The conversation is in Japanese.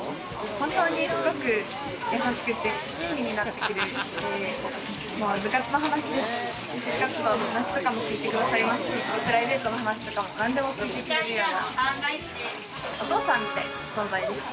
本当にすごく優しくて、親身になってくれて、部活の話だったり就活活動とかも聞いてくれますし、プライベートの話も何でも聞いてくれるようなお父さんみたいな存在です。